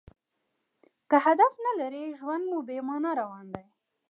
که هدف نه لرى؛ ژوند مو بې مانا روان دئ.